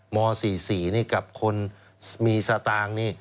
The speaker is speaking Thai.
ม๔๔นี่กับคนมีสตางค์นี่